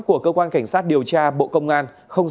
của cơ quan cảnh sát điều tra bộ công an